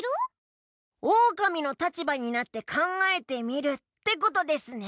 オオカミの立場になって考えてみるってことですね。